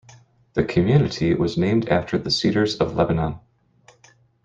The community was named after the Cedars of Lebanon.